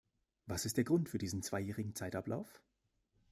Was ist der Grund für diesen zweijährigen Zeitablauf?